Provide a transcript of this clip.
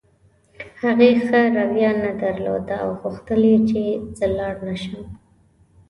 هغې ښه رویه نه درلوده او غوښتل یې چې زه ولاړ نه شم.